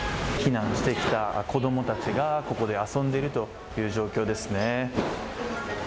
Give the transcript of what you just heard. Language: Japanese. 避難してきた子供たちが、ここで遊んでいるという状況ですね。